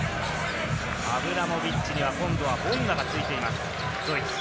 アブラモビッチにはボンガがついています。